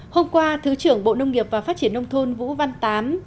hôm qua thứ trưởng bộ nông nghiệp và phát triển nông thôn vũ văn tám